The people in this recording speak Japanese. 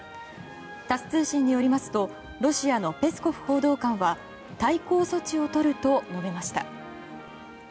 タス通信によりますとロシアのペスコフ報道官は対抗措置をとると述べました。